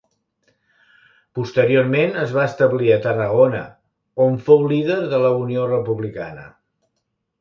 Posteriorment es va establir a Tarragona, on fou líder de la Unió Republicana.